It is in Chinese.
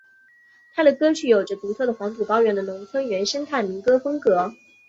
他的歌曲有着独特的黄土高原的农村原生态民歌风格。